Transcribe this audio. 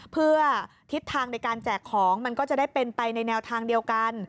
เพื่อทิศทางในการแจกของมันก็จะได้เป็นไปในแนวทางเดียวกัน